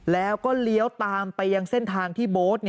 แล้วก็เลี้ยวตามไปยังเส้นทางที่โบ๊ท